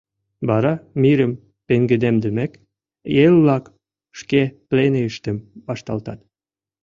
Вара, мирым пеҥгыдемдымек, эл-влак шке пленыйыштым вашталтат...